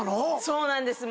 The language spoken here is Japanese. そうなんです。